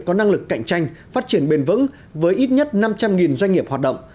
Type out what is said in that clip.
có năng lực cạnh tranh phát triển bền vững với ít nhất năm trăm linh doanh nghiệp hoạt động